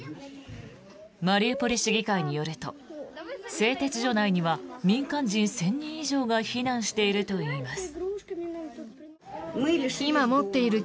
マリウポリ市議会によると製鉄所内には民間人１０００人以上が避難しているといいます。